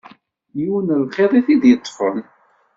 Yiwen n lxiḍ i d ad t -yeṭṭfen.